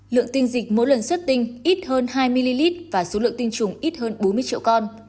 lượng tinh dịch mỗi lần xuất tinh ít hơn hai ml và số lượng tinh trùng ít hơn bốn mươi triệu con